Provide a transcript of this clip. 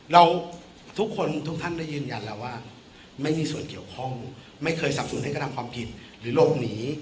เราทุกคนทุกท่านได้ยืนยันแล้วว่าไม่มีส่วนเกี่ยวข้องไม่เคยสับสนให้กระทำความผิดหรือหลบหนี